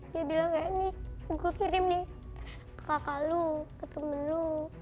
dia bilang ya nih gue kirim nih ke kakak lo ke temen lo